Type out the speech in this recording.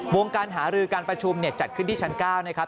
การหารือการประชุมจัดขึ้นที่ชั้น๙นะครับ